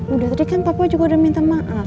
udah tadi kan papua juga udah minta maaf